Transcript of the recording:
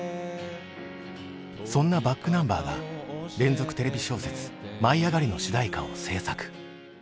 そんなｂａｃｋｎｕｍｂｅｒが連続テレビ小説「舞いあがれ！」の主題歌を制作。